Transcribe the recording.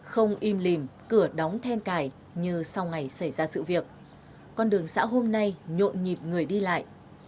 không im lìm cửa đóng then cài như sau ngày xảy ra sự việc con đường xã hôm nay nhộn nhịp người đi lại